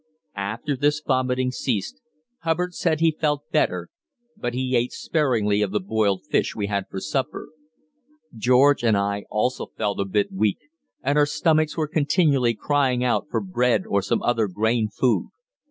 After this vomiting ceased, Hubbard said he felt better, but he ate sparingly of the boiled fish we had for supper. George and I also felt a bit weak, and our stomachs were continually crying out for bread or some other grain food.